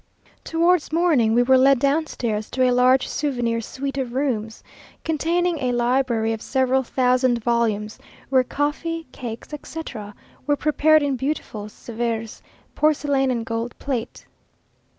Towards morning we were led downstairs to a large Souvenirs suite of rooms, containing a library of several thousand volumes; where coffee, cakes, etc., were prepared in beautiful Sevres porcelain and gold plate.